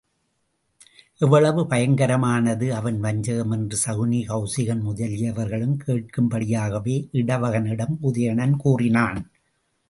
எவ்வளவு பயங்கரமானது அவன் வஞ்சகம்? என்று சகுனி கெளசிகன் முதலியவர்களும் கேட்கும் படியாகவே இடவகனிடம் உதயணன் கூறினான்.